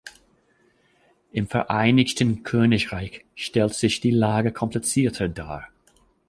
Im Vereinigten Königreich stellt sich die Lage komplizierter dar.